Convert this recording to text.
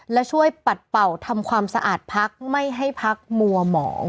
และช่วยปัดเป่าทำความสะอาดพักไม่ให้พักมัวหมอง